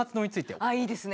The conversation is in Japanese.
ああいいですね。